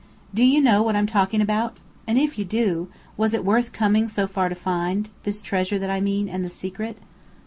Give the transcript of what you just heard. Do you know what I'm talking about? And if you do, was it worth coming so far to find this treasure that I mean, and this secret?"